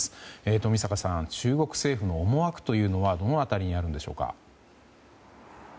冨坂さん中国政府の思惑というのはどの辺りにあるのでしょうか。